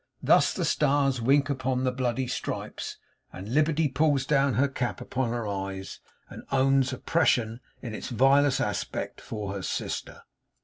Thus the stars wink upon the bloody stripes; and Liberty pulls down her cap upon her eyes, and owns Oppression in its vilest aspect, for her sister.